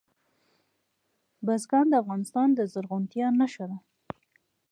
بزګان د افغانستان د زرغونتیا نښه ده.